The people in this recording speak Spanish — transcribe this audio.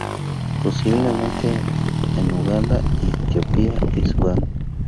Posiblemente en Uganda Etiopía y Sudán.